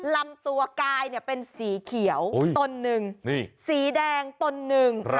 ลำตัวกายเป็นสีเขียวตนหนึ่งสีแดงตนหนึ่ง